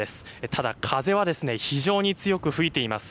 ただ、風は非常に強く吹いています。